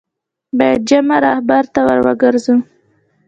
باید جامع رهبرد ته ور وګرځو.